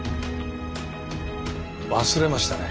忘れましたね